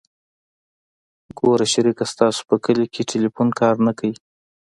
ګوره شريکه ستاسو په کلي کښې ټېلفون کار نه کيي.